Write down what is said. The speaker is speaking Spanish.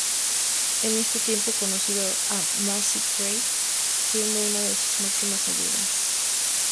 En este tiempo conoció a Macy Gray, siendo una de sus máximas ayudas.